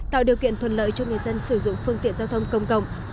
tạo điều kiện thuận lợi cho người dân sử dụng phương tiện giao thông công cộng